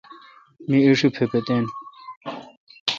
می ایݭی پپتیں۔